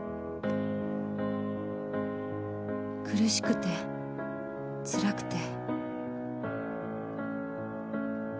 苦しくて、辛くて。